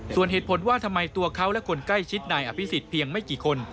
ส่วนเหตุผลว่าทำไมตัวเขาและคนใกล้ชิดนายอภิษฎเพียงไม่กี่คน